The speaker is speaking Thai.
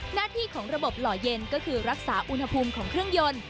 หน้าที่ของระบบหล่อเย็นก็คือรักษาอุณหภูมิของเครื่องยนต์